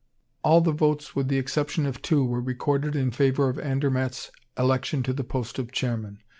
All the votes with the exception of two, were recorded in favor of Andermatt's election to the post of chairman.